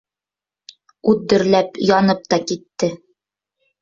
Ут дөрләп янып та китте.